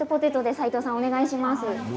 齊藤さん、お願いします。